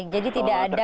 jadi tidak ada